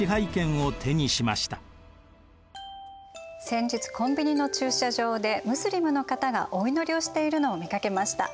先日コンビニの駐車場でムスリムの方がお祈りをしているのを見かけました。